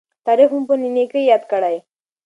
تاریخ مو په نیکۍ یاد کړي.